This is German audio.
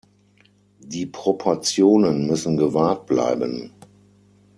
Die Proportionen müssen gewahrt bleiben!